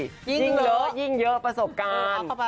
ยิ่งเยอะยิ่งเยอะประสบการณ์